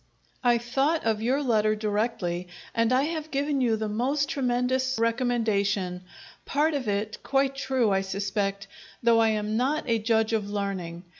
I thought of your letter directly, and I have given you the most tremendous recommendation part of it quite true, I suspect, though I am not a judge of learning.